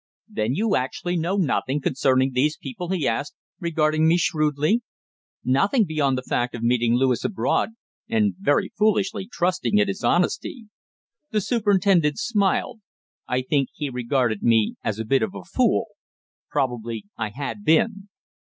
"Then you actually know nothing concerning these people?" he asked, regarding me shrewdly. "Nothing beyond the fact of meeting Lewis abroad, and very foolishly trusting in his honesty." The superintendent smiled. I think he regarded me as a bit of a fool. Probably I had been.